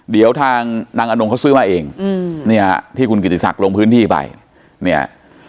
เดี๋ยวทางนางอนงเขาซื้อมาเองอืมเนี่ยที่คุณกิติศักดิ์ลงพื้นที่ไปเนี่ย